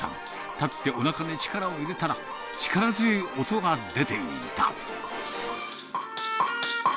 立っておなかに力を入れたら、力強い音が出ていた。